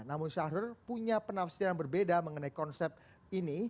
namun syahrul punya penafsiran berbeda mengenai konsep ini